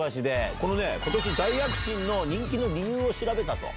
このね、ことし大躍進の人気の理由を調べたと。